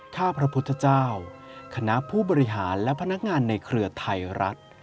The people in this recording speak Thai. ถ้าพระพุทธเจ้าคณะผู้บริหารและพนักงานในเครือไทยรัฐ